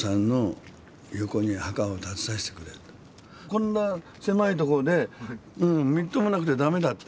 「こんな狭い所でみっともなくてダメだ」って。